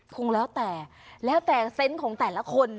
คงแล้วแต่แล้วแต่เซนต์ของแต่ละคน